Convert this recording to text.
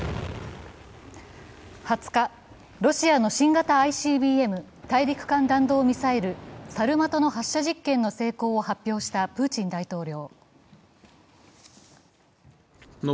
２０日、ロシアの新型ＩＣＢＭ＝大陸間弾道ミサイル、サルマトの発射実験の成功を発表したプーチン大統領。